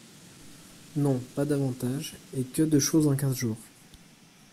Non, pas davantage ; et que de choses en quinze jours !